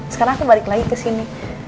sekarang aku balik lagi kesini